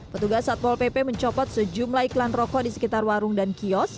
petugas satpol pp mencopot sejumlah iklan rokok di sekitar warung dan kios